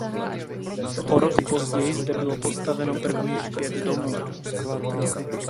O rok později zde bylo postaveno prvních pět domů.